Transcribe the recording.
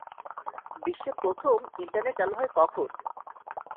বিশ্বে প্রথম ইন্টারনেট চালু হয় কখন?